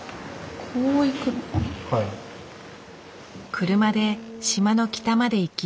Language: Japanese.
車で島の北まで行き